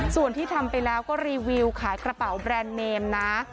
ส่วนที่ทำไปแล้วก็รีวิวขายกระเป๋าแบรนด์เนมนะ